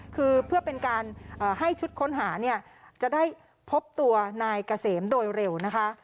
คือเพื่อให้ชุดค้นหาจะได้พบตัวนายเกษมโดยเร็วนะคะ